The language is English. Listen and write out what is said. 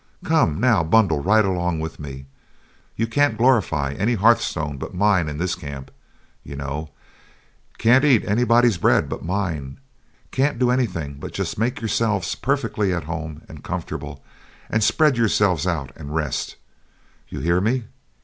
Come, now, bundle right along with me. You can't glorify any hearth stone but mine in this camp, you know can't eat anybody's bread but mine can't do anything but just make yourselves perfectly at home and comfortable, and spread yourselves out and rest! You hear me!